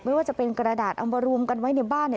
ไม่ว่าจะเป็นกระดาษเอามารวมกันไว้ในบ้าน